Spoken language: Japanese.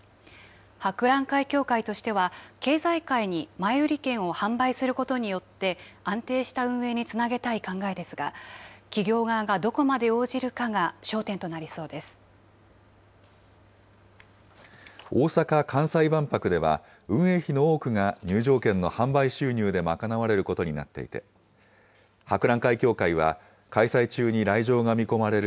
博覧会協会としては、経済界に前売券を販売することによって、安定した運営につなげたい考えですが、企業側がどこまで応じるか大阪・関西万博では、運営費の多くが入場券の販売収入で賄われることになっていて、博覧会協会は、開催中に来場が見込まれる